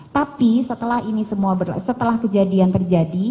tapi setelah ini semua setelah kejadian terjadi